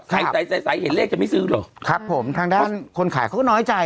ใสใสเห็นเลขจะไม่ซื้อเหรอครับผมทางด้านคนขายเขาก็น้อยใจ